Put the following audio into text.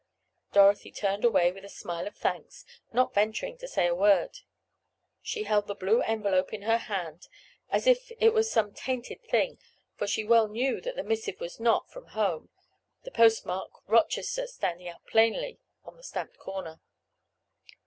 Dorothy turned away with a smile of thanks, not venturing to say a word. She held the blue envelope in her hand, as if it was some tainted thing, for she well knew that the missive was not from home, the postmark "Rochester" standing out plainly on the stamped corner.